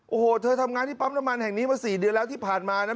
โอ้โหเธอทำงานที่ปั๊มน้ำมันแห่งนี้มา๔เดือนแล้วที่ผ่านมานะ